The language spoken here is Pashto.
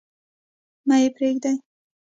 مه يې پريږدﺉ.